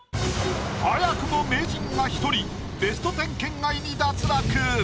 早くも名人が１人ベスト１０圏外に脱落。